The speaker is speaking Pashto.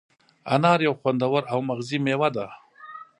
انار یو خوندور او مغذي مېوه ده.